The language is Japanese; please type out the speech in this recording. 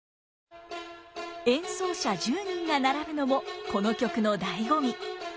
演奏者１０人が並ぶのもこの曲の醍醐味。